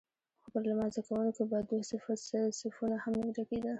خو پر لمانځه کوونکو به دوه صفونه هم نه ډکېدل.